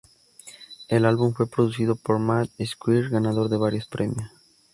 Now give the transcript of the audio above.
El álbum fue producido por Matt Squire, ganador de varios premios.